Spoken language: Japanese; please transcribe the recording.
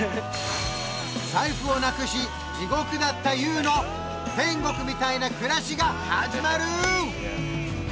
財布をなくし地獄だったＹＯＵの天国みたいな暮らしが始まる！